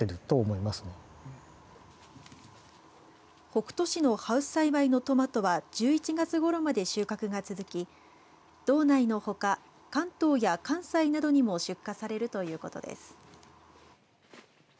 北斗市のハウス栽培のトマトは１１月ごろまで収穫が続き道内のほか、関東や関西などにも出荷されるということです。